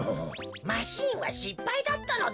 マシーンはしっぱいだったのだ。